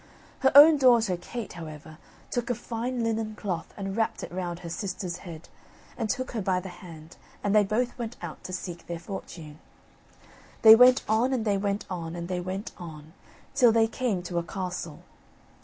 Her own daughter, Kate, however, took a fine linen cloth and wrapped it round her sister's head and took her by the hand and they both went out to seek their fortune. They went on, and they went on, and they went on, till they came to a castle.